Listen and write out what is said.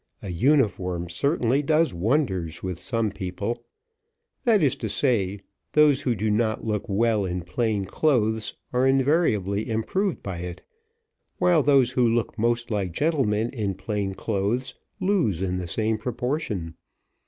An uniform certainly does wonders with some people: that is to say, those who do not look well in plain clothes are invariably improved by it; while those, who look most like gentlemen in plain clothes, lose in the same proportion.